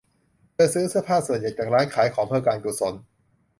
เธอซื้อเสื้อผ้าส่วนใหญ่จากร้านขายของเพื่อการกุศล